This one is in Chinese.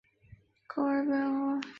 街道办事处驻岳阳楼区王家河。